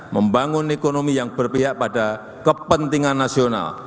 membangun ekonomi yang berpihak pada kepentingan nasional